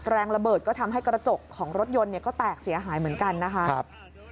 แรงระเบิดก็ทำให้กระจกของรถยนต์เนี่ยก็แตกเสียหายเหมือนกันนะคะ